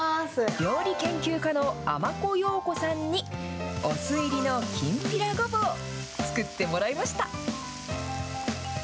料理研究家のあまこようこさんに、お酢入りのきんぴらごぼう、作ってもらいました。